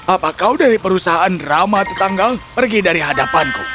apa kau dari perusahaan drama tetangga pergi dari hadapanku